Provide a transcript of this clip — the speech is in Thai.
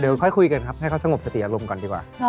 เดี๋ยวค่อยคุยกันครับให้เขาสงบสติอารมณ์ก่อนดีกว่า